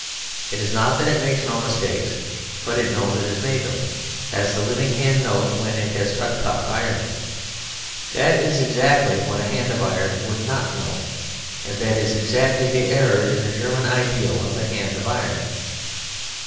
It is not that it makes no mistakes, but it knows it has made them, as the living hand knows when it has touched hot iron. That is exactly what a hand of iron would not know; and that is exactly the error in the German ideal of a hand of iron.